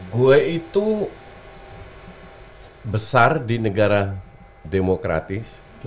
gue itu besar di negara demokratis